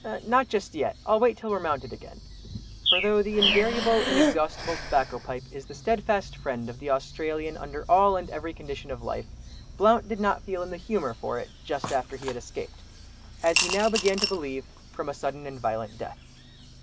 "Not just yet, I'll wait till we're mounted again." For though the invariable, inexhaustible tobacco pipe is the steadfast friend of the Australian under all and every condition of life, Blount did not feel in the humour for it just after he had escaped, as he now began to believe, from a sudden and violent death.